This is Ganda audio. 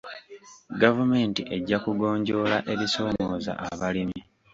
Gavumenti ejja kugonjoola ebisoomooza abalimi.